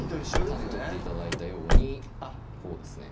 種取って頂いたようにこうですね